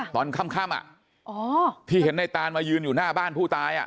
ตอนค่ำที่เห็นในตานมายืนอยู่หน้าบ้านผู้ตาย